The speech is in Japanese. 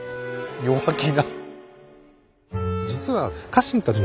弱気な。